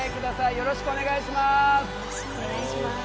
よろしくお願いします。